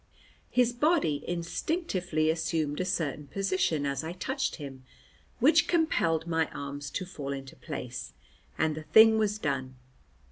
His body instinctively assumed a certain position as I touched him, which compelled my arms to fall into place, and the thing was done.